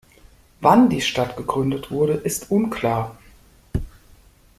Wann die Stadt gegründet wurde, ist unklar.